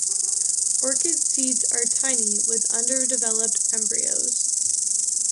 Orchid seeds are tiny with underdeveloped embryos.